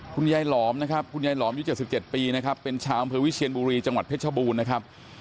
หลอมนะครับคุณยายหลอมยุ๗๗ปีนะครับเป็นชาวอำเภอวิเชียนบุรีจังหวัดเพชรบูรณ์นะครับ